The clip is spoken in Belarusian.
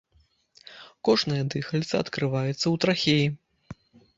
Кожнае дыхальца адкрываецца ў трахеі.